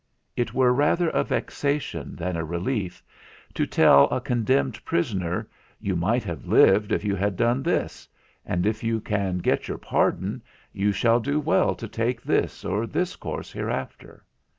It were rather a vexation than a relief, to tell a condemned prisoner, You might have lived if you had done this; and if you can get your pardon, you shall do well to take this or this course hereafter.